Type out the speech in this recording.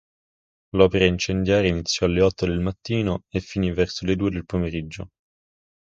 L'opera incendiaria iniziò alle otto del mattino e finì verso le due del pomeriggio.